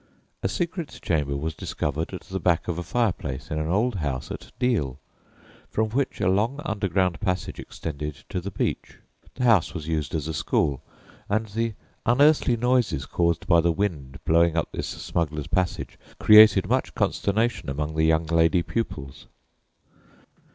A secret chamber was discovered at the back of a fireplace in an old house at Deal, from which a long underground passage extended to the beach. The house was used as a school, and the unearthly noises caused by the wind blowing up this smugglers' passage created much consternation among the young lady pupils.